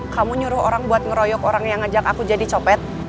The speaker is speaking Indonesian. kamu nyuruh orang buat ngeroyok orang yang ngajak aku jadi copet